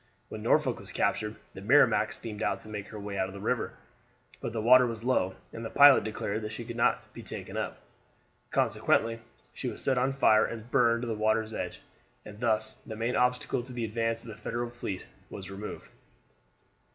When Norfolk was captured the Merrimac steamed out to make her way out of the river; but the water was low, and the pilot declared that she could not be taken up. Consequently she was set on fire and burned to the water's edge, and thus the main obstacle to the advance of the Federal fleet was removed.